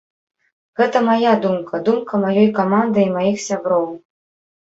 Гэта мая думка, думка маёй каманды і маіх сяброў.